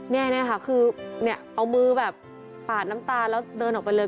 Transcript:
นี่ค่ะคือเนี่ยเอามือแบบปาดน้ำตาแล้วเดินออกไปเลย